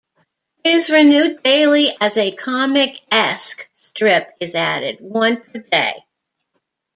It is renewed daily, as a comic-esque strip is added, one per day.